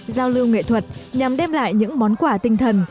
giao lưu nghệ thuật nhằm đem lại những món quà tinh thần